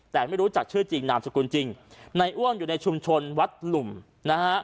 แต่ไม่รู้จักชื่อจริงนามสกุลจริงในอ้วนอยู่ในชุมชนวัดหลุมนะฮะ